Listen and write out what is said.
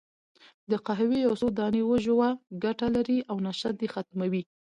د قهوې یو څو دانې وژووه، ګټه لري، او نشه دې ختمه وي.